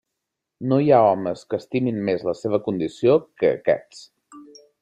No hi ha homes que estimin més la seva condició que aquests.